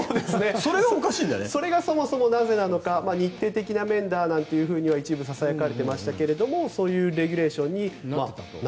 それがそもそもなぜなのか日程的な面だと一部ささやかれてましたがそういうレギュレーションになっていたと。